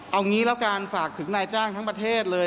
เอางี้แล้วกันฝากถึงนายจ้างทั้งประเทศเลย